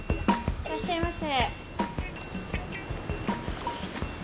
いらっしゃいませ。